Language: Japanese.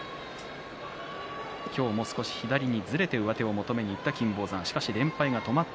今日は少し左にずれて上手を求めにいきました。